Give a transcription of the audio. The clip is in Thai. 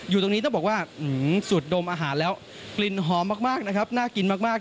อยู่ตรงนี้ต้องบอกว่าสุดดมอาหารแล้วกลิ่นหอมมากนะครับน่ากินมาก